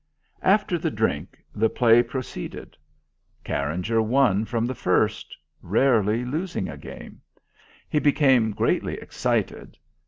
After the drink the play proceeded. Carringer won from the first, rarely losing a game. He became greatly excited.